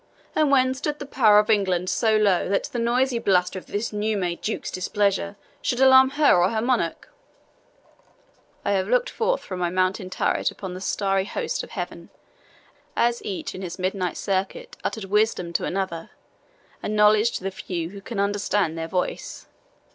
and when stood the power of England so low that the noisy bluster of this new made Duke's displeasure should alarm her or her monarch?" "I have looked forth from my mountain turret upon the starry host of heaven, as each in his midnight circuit uttered wisdom to another, and knowledge to the few who can understand their voice.